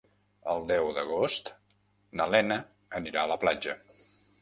El deu d'agost na Lena anirà a la platja.